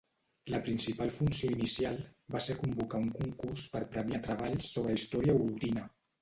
La principal funció inicial va ser convocar un concurs per premiar treballs sobre història olotina.